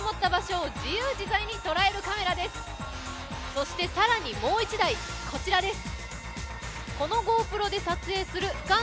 そして更にもう１台、こちらです。